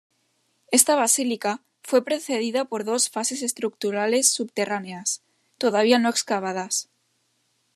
Esta basílica fue precedida por dos fases estructurales subterráneas, todavía no excavadas.